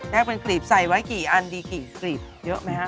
แรกเป็นกรีบใส่ไว้กี่อันดีกี่กรีบเยอะไหมฮะ